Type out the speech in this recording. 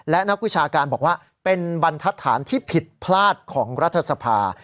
และนักวิชาการบอกว่าเป็นบรรทัศนที่ผิดพลาดของรัฐสภา